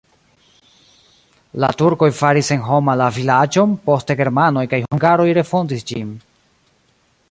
La turkoj faris senhoma la vilaĝon, poste germanoj kaj hungaroj refondis ĝin.